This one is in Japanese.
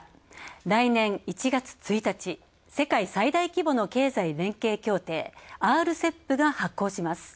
来年１月１日、世界最大規模の経済連携協定＝ＲＣＥＰが発効します。